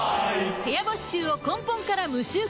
部屋干し臭を根本から無臭化